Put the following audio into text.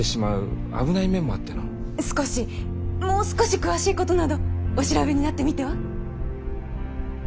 少しもう少し詳しいことなどお調べになってみては？